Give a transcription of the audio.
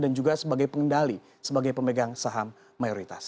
dan juga sebagai pengendali sebagai pemegang saham mayoritas